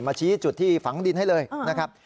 ชี้จุดที่ฝังดินให้เลยนะครับ